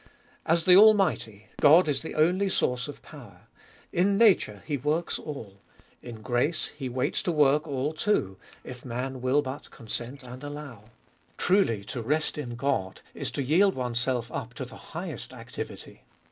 As the Almighty, God is the only source of power. In nature He works all. In grace He waits to work all too, if man will but consent and allow. Truly to rest in God is to yield oneself up to the highest activity.